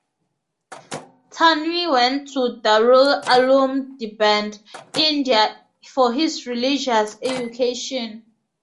Thanwi went to Darul Uloom Deoband, India for his religious education.